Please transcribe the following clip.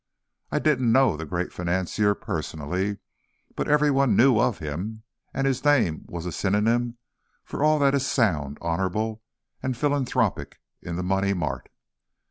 I didn't know the great financier personally, but everyone knew of him, and his name was a synonym for all that is sound, honorable, and philanthropic in the money mart.